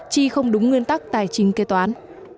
chi không đúng nguyên tắc tài chính kê toán